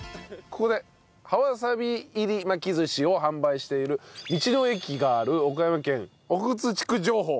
ここで葉わさび入り巻き寿司を販売している道の駅がある岡山県奥津地区情報。